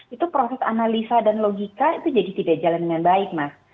itu proses analisa dan logika itu jadi tidak jalan dengan baik mas